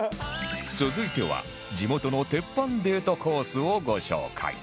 続いては地元の鉄板デートコースをご紹介